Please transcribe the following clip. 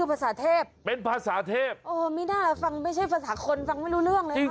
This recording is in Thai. โอ้ยมิน่าฟังไม่ใช่ภาษาคนฟังไม่รู้เรื่องเลยนะ